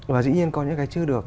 và dĩ nhiên có những cái chưa được